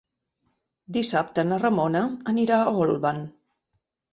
Dissabte na Ramona anirà a Olvan.